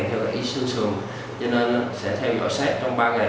cho nên sẽ theo dõi sát trong ba ngày